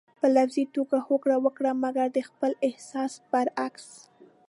په لفظي توګه هوکړه وکړئ مګر د خپل احساس برعکس.